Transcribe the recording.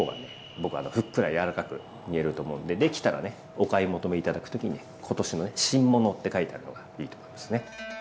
僕はふっくら柔らかく煮えると思うんでできたらねお買い求め頂く時にね今年のね新物って書いてあるのがいいと思いますね。